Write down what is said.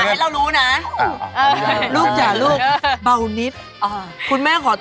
กำลังสร้างลูกน่องหน้ามากหนูด้วย